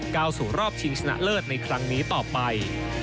ก้าวสู่รอบชิงชนะเลิศในครั้งนี้ต่อไป